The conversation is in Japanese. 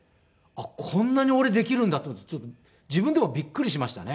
こんなに俺できるんだと思って自分でもびっくりしましたね。